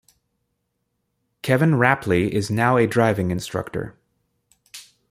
Kevin Rapley is now a driving instructor.